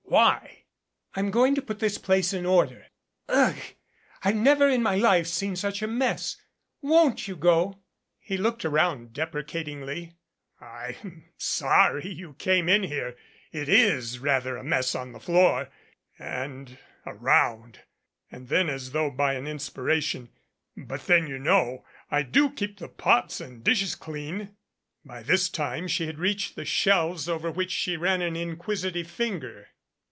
Why?" "I'm going to put this place in order. Ugh! I've never in my life seen such a mess. Won't you go ?" He looked around deprecatingly. "I'm sorry you came in here. It is rather a mess on the floor and around," and then as though by an inspiration, "but then you know, I do keep the pots and dishes clean." By this time she had reached the shelves over which she ran an inquisitive finger.